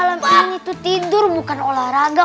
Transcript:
kalian itu tidur bukan olahraga